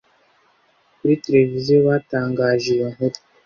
Kuri televiziyo batangaje iyo nkuru